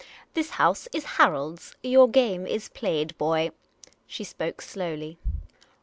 This house is Harold's. Your game is played, boy." She spoke slowly.